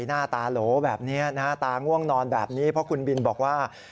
หน้าตาโหลแบบนี้นะฮะตาง่วงนอนแบบนี้เพราะคุณบินบอกว่า